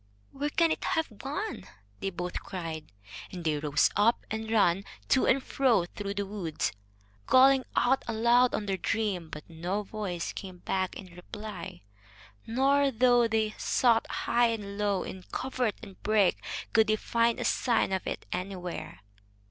"Where can it have gone?" they both cried. And they rose up and ran to and fro through the wood, calling out aloud on their dream. But no voice came back in reply, nor, though they sought high and low in covert and brake, could they find a sign of it anywhere.